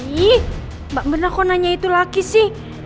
ih mbak benar kok nanya itu laki sih